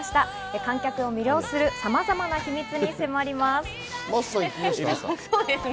観客を魅了するさまざまな取り組みに迫ります。